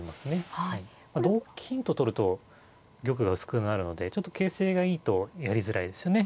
同金と取ると玉が薄くなるのでちょっと形勢がいいとやりづらいですよね。